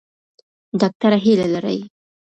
ډاکټره هیله لري.